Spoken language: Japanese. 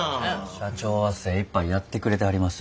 社長は精いっぱいやってくれてはります。